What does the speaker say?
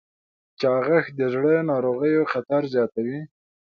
چاغښت د زړه ناروغیو خطر زیاتوي.